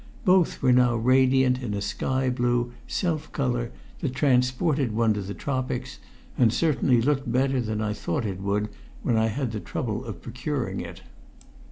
Both were now radiant in a sky blue self colour that transported one to the tropics, and certainly looked better than I thought it would when I had the trouble of procuring it.